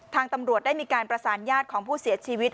ทางตำรวจได้มีการประสานญาติของผู้เสียชีวิต